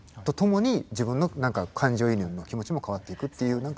とともに自分の感情移入の気持ちも変わっていくっていう。